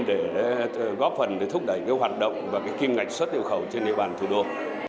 để góp phần thúc đẩy hoạt động và kim ngạch xuất nhập khẩu trên địa bàn thủ đô